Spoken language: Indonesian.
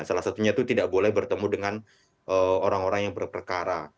salah satunya itu tidak boleh bertemu dengan orang orang yang berperkara